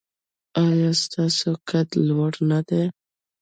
ایا ستاسو قد لوړ نه دی؟